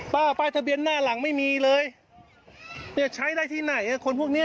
ป้าป้ายทะเบียนหน้าหลังไม่มีเลยเนี่ยใช้ได้ที่ไหนคนนี้